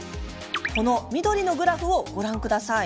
緑のグラフをご覧ください。